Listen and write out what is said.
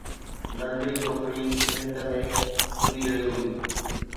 ننڍڙي ڇوڪري ننڊ ۾ ٻڏي رهي هئي